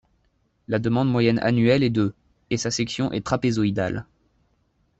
La demande moyenne annuelle est de et sa section est trapézoïdale.